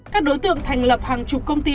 các đối tượng thành lập hàng chục công ty